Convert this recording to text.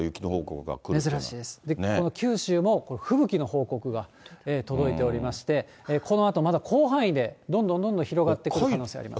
九州も吹雪の報告が届いておりまして、このあとまだ広範囲で、どんどんどんどん広がってくる可能性があります。